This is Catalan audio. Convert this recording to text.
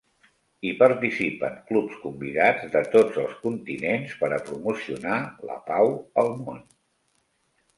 Hi participen clubs convidats de tots els continents per a promocionar la pau al món.